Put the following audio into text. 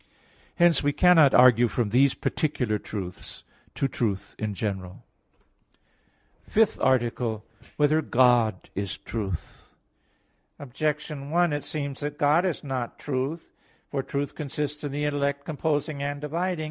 Hence we cannot argue from these particular truths to truth in general. _______________________ FIFTH ARTICLE [I, Q. 16, Art. 5] Whether God Is Truth? Objection 1: It seems that God is not truth. For truth consists in the intellect composing and dividing.